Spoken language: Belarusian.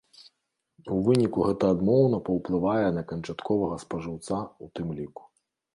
У выніку гэта адмоўна паўплывае на канчатковага спажыўца ў тым ліку.